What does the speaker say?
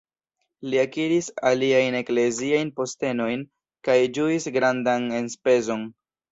Li akiris aliajn ekleziajn postenojn, kaj ĝuis grandan enspezon.